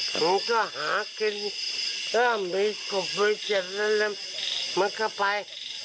ผมก็หากินผิดกบเพื่อนเช็ดนะเล่มมันก็ไป